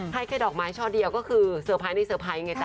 ให้แค่ดอกไม้ช่อเดียวก็คือเซอร์ไพรส์ในเซอร์ไพรส์ไงจ๊